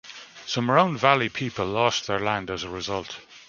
Some Round Valley People lost their land as a result.